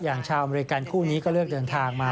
ชาวอเมริกันคู่นี้ก็เลือกเดินทางมา